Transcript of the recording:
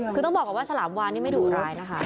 คือต้องบอกก่อนว่าฉลามวานนี่ไม่ดุร้ายนะคะ